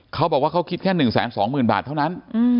เขาบอกว่าเขาคิดแค่๑๒๐๐๐บาทเท่านั้น